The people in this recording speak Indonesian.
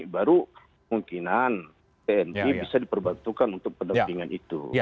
baru kemungkinan tni bisa diperbantukan untuk pendampingan itu